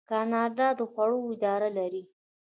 کاناډا د خوړو اداره لري.